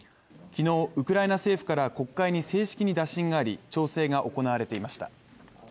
昨日、ウクライナ政府から国会に正式に打診があり調整が行われていました。